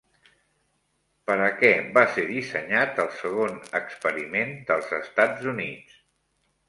Per a què va ser dissenyat el segon experiment dels Estats Units?